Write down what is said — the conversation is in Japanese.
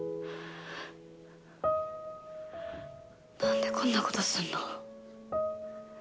なんでこんなことすんの？